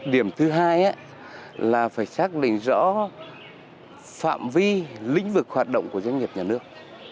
điểm thứ hai là phải xác định rõ phạm vi lĩnh vực hoạt động của doanh nghiệp nhà nước